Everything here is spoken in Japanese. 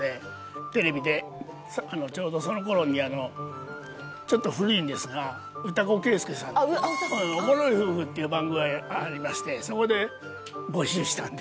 テレビでちょうどその頃にちょっと古いんですが唄子啓助さんの『おもろい夫婦』っていう番組がありましてそこで募集したんです。